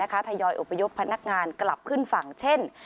ทยอยอบพยพพนักงานกลับขึ้นฝั่งเช่น